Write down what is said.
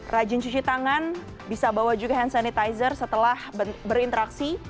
rajin cuci tangan bisa bawa juga hand sanitizer setelah berinteraksi